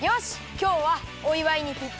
きょうはおいわいにぴったり！